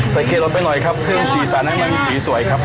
ใส่เข้าลงไปหน่อยครับให้ชีสั้นให้สวยครับ